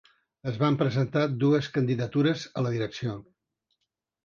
Es van presentar dues candidatures a la direcció.